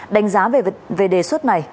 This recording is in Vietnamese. đánh giá về đề xuất này